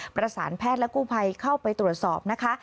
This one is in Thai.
ประสานแพทย์และกู้ภัยเข้าไปตรวจสอบนะคะ